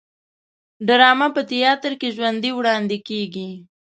ډرامه په تیاتر کې ژوندی وړاندې کیږي